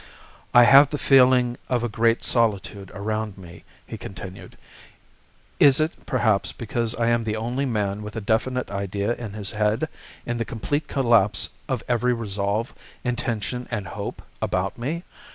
"I have the feeling of a great solitude around me," he continued. "Is it, perhaps, because I am the only man with a definite idea in his head, in the complete collapse of every resolve, intention, and hope about me?